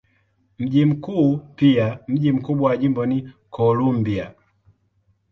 Mji mkuu pia mji mkubwa wa jimbo ni Columbia.